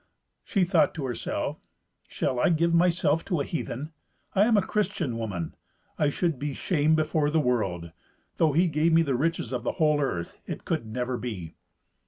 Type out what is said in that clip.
She thought to herself, "Shall I give myself to a heathen? I am a Christian woman. I should be shamed before the world. Though he gave me the riches of the whole earth, it could never be."